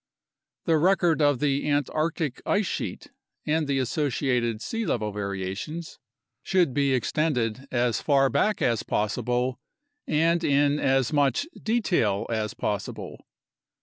The record of the Antarctic ice sheet (and the associated sea level variations) should be extended as far back as possible and in as much detail as possible.